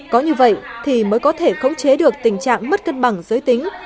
có như vậy thì mới có thể khống chế được tình trạng mất cân bằng giới tính